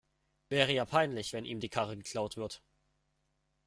Wäre ja peinlich, wenn ihm die Karre geklaut wird.